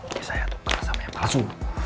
oke saya tuker sama yang palsu